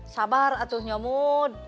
sabar atuh nyomud